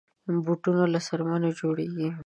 بوټونه له څرمنو جوړېږي.